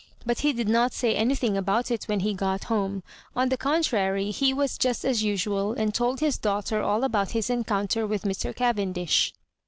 But he did not say anything about it when he got home ; on the contrary, he was just as usual, and told his daughter all about his encounter with Mr. Cavendish.